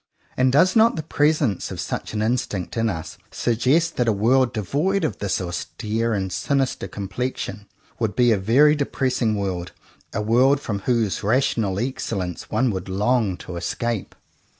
And does not the presence of such an instinct in us suggest that a world devoid of this austere and sinister complexion would be a very de pressing world, a world from whose rational excellence one would long to escape?